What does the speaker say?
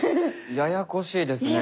ややこしいですね。